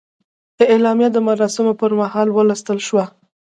اعلامیه د مراسمو پر مهال ولوستل شوه.